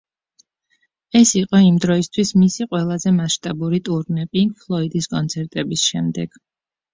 ეს იყო იმ დროისთვის მისი ყველაზე მასშტაბური ტურნე, პინკ ფლოიდის კონცერტების შემდეგ.